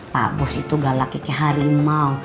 pak bos itu galaknya harimau